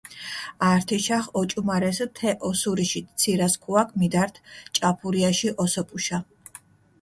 ართიშახჷ ოჭუმარესჷ თე ოსურიში ცირასქუაქჷ მიდართჷ ჭაფურიაში ოსოფუშა.